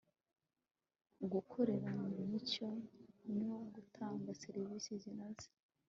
gukorera mu mucyo no gutanga serivisi zinoze